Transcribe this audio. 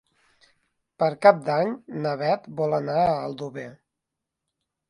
Per Cap d'Any na Beth vol anar a Aldover.